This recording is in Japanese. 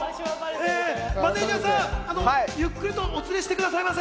マネジャーさん、ゆっくりとお連れしてくださいませ。